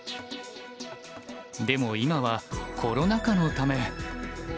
でも今はコロナ禍のため。